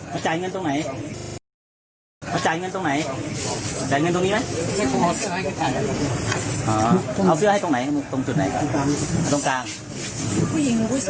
จ่ายเงินตรงไหนมาจ่ายเงินตรงไหนจ่ายเงินตรงนี้ไหม